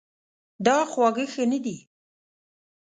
دا خواړه ښه نه دي